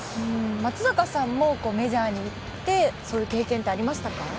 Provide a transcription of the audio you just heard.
松坂さんもメジャーに行ってそういう経験ってありましたか？